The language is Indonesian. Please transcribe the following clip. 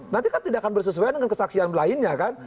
nanti kan tidak akan bersesuaian dengan kesaksian lainnya kan